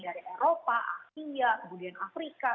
dari eropa asia kemudian afrika